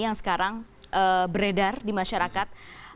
yang sekarang beredar di masyarakat